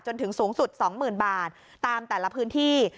จนถึงสูงสุด๒๐๐๐บาทตามแต่ละพื้นที่